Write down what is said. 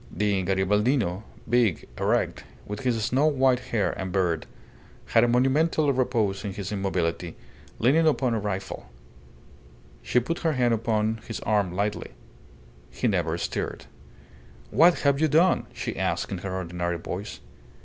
The Garibaldino big, erect, with his snow white hair and beard had a monumental repose in his immobility, leaning upon a rifle. She put her hand upon his arm lightly. He never stirred. "What have you done?" she asked, in her ordinary voice.